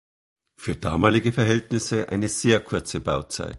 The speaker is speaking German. Für damalige Verhältnisses eine sehr kurze Bauzeit.